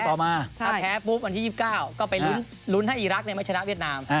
ต่อมาถ้าแพ้ปุ๊บวันที่๒๙ก็ไปลุ้นให้อีรักษ์ไม่ชนะเวียดนาม